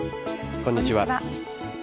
こんにちは。